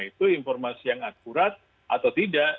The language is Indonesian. itu informasi yang akurat atau tidak